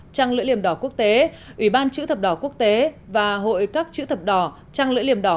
trăng lưỡi liềm đỏ quốc tế ủy ban chữ thập đỏ quốc tế và hội các chữ thập đỏ trăng lưỡi liềm đỏ